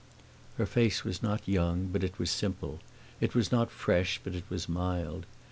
Her face was not young, but it was simple; it was not fresh, but it was mild.